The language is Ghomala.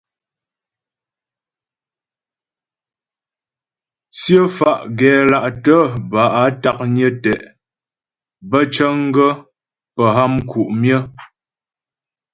Tsyə fá́ gɛla'tə bə́ á taknyə tɛ', bə́ cəŋgaə́ pə́ ha mku' myə.